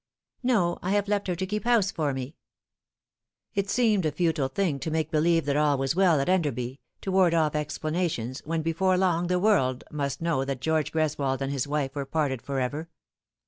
" No, I have left her to keep house for me." It seemed a futile thing to make believe that all was well at Enderby, to ward oif explanations, when before long the world must know that George Greswold and his wife were parted for ever.